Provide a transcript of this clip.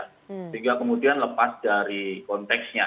sehingga kemudian lepas dari konteksnya